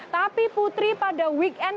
tapi putri pada weekend